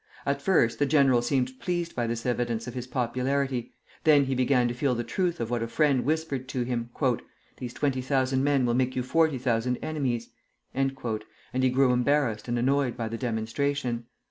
At first the general seemed pleased by this evidence of his popularity; then he began to feel the truth of what a friend whispered to him, "These twenty thousand men will make you forty thousand enemies," and he grew embarrassed and annoyed by the demonstration.